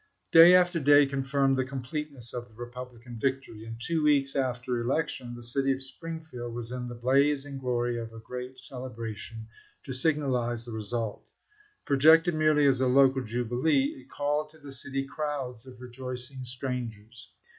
Day after day confirmed the completeness of the Eepublican victory, and two weeks after election the city of Springfield was in the blaze and glory of a great celebration to signalize the result. Pro jected merely as a local jubilee, it called to the city crowds of rejoicing strangers.